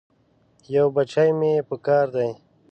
یو بچی مې پکار دی.